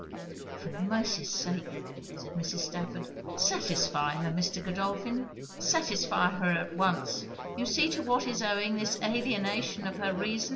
'For mercy's sake!' said Mrs. Stafford, 'satisfy her, Mr. Godolphin satisfy her at once you see to what is owing this alienation of her reason.'